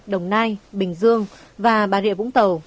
đồng nai bình dương và bà rịa vũng tàu